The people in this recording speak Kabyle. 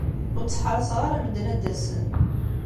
Ur tteḥṛaseɣ ara medden ad d-asen.